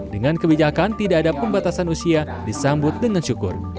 dengan kebijakan tidak ada pembatasan usia disambut dengan syukur